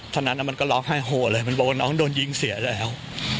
ตอนนั้นมันก็ร้องไห้โหเลยมันบอกว่าน้องโดนยิงเสียแล้ว